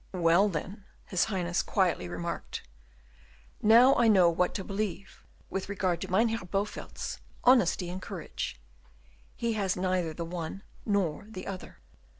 "Well, then," his Highness quietly remarked, "now I know what to believe with regard to Mynheer Bowelt's honesty and courage: he has neither the one nor the other."